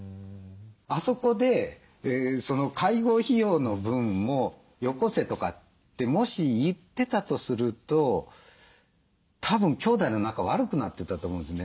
あそこで「介護費用の分もよこせ」とかってもし言ってたとするとたぶん兄弟の仲悪くなってたと思うんですよね。